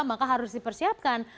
maka harus dipersiapkan